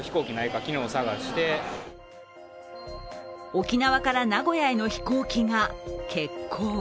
沖縄から名古屋への飛行機が欠航。